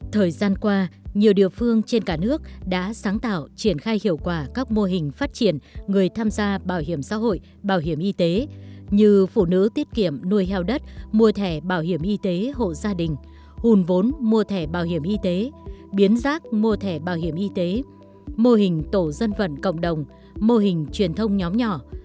thời gian qua nhiều địa phương trên cả nước đã sáng tạo triển khai hiệu quả các mô hình phát triển người tham gia bảo hiểm xã hội bảo hiểm y tế như phụ nữ tiết kiệm nuôi heo đất mua thẻ bảo hiểm y tế hộ gia đình hùn vốn mua thẻ bảo hiểm y tế biến rác mua thẻ bảo hiểm y tế mô hình tổ dân vận cộng đồng mô hình truyền thông nhóm nhỏ